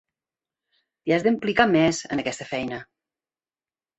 T'hi has d'implicar més, en aquesta feina.